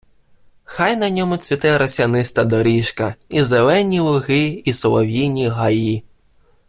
Хай на ньому цвіте росяниста доріжка, і зелені луги, й солов'їні гаї